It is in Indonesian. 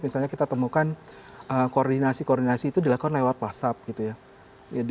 misalnya kita temukan koordinasi koordinasi itu dilakukan lewat whatsapp gitu ya